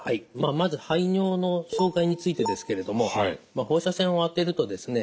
まず排尿の障害についてですけれども放射線を当てるとですね